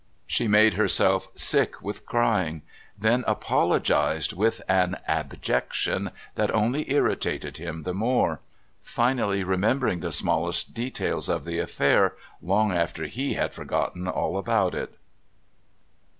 She made herself sick with crying; then apologised with an abjection that only irritated him the more; finally remembered the smallest details of the affair long after he had forgotten all about it.